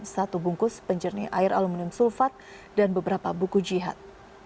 satu bungkus penjernih air aluminium sulfat dan beberapa buku jihad